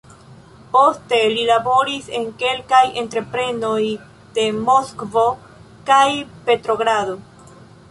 Poste li laboris en kelkaj entreprenoj de Moskvo kaj Petrogrado.